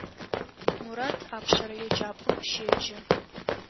Мурат апшъэрэ еджапӏэм щеджэ.